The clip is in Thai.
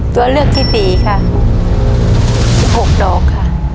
ตัวเลือกที่๔ค่ะ๑๖ดอกค่ะ